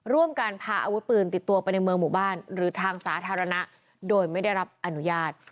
ร่วมกันพาอาวุธปืนติดตัวไปในเมืองหมู่บ้านหรือทางสาธารณะโดยไม่ได้รับอนุญาต